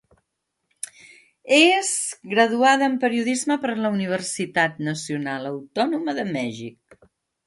És graduada en periodisme per la Universitat Nacional Autònoma de Mèxic.